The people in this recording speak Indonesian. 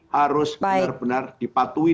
harus benar benar dipatuhi